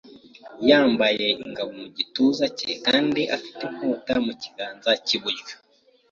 yambaye ingabo mu gituza cye kandi afite inkota mu kiganza cy’iburyo.